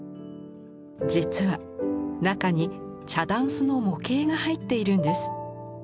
実は中に茶だんすの模型が入っているんです。